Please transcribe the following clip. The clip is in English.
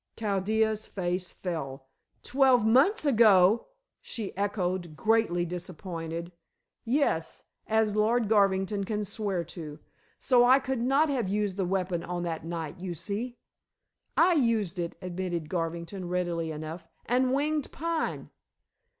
Chaldea's face fell. "Twelve months ago!" she echoed, greatly disappointed. "Yes, as Lord Garvington can swear to. So I could not have used the weapon on that night, you see." "I used it," admitted Garvington readily enough. "And winged Pine."